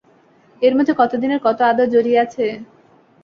এর মধ্যে কত দিনের কত আদর জড়িয়ে আছে।